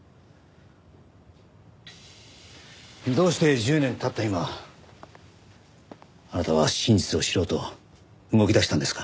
どうして１０年経った今あなたは真実を知ろうと動きだしたんですか？